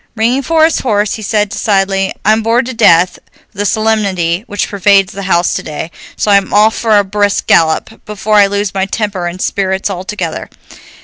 Ringing for his horse he said decidedly, "I'm bored to death with the solemnity which pervades the house today, so I'm off for a brisk gallop, before I lose my temper and spirits altogether."